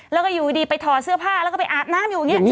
แล้วก็อยู่ดีไปถอดเสื้อผ้าแล้วก็ไปอาบน้ำอยู่อย่างนี้